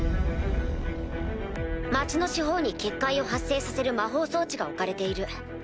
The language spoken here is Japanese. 町の四方に結界を発生させる魔法装置が置かれている。